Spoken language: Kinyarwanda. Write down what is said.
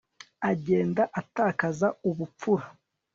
agenda atakaza ubupfura